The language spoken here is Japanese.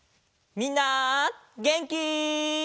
みんなげんき？